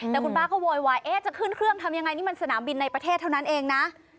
แต่คุณป้าก็โวยวายจะขึ้นเครื่องทำยังไงนี่มันสนามบินในประเทศเท่านั้นเองนะ